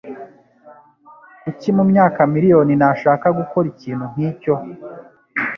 Kuki mumyaka miriyoni nashaka gukora ikintu nkicyo?